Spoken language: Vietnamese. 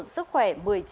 sức khỏe một mươi chín